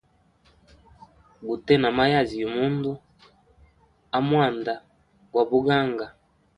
Gute na mayazi yugu mundu amwanda gwa buganga.